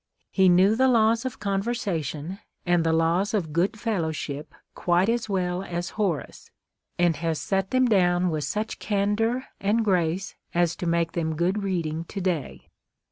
He knew the laws of conversation and the laws of good fellowship quite as well as Horace, and has set them down with such candor and grace as to make them good reading to day.